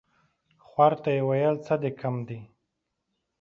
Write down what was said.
خوار ته يې ويل څه دي کم دي ؟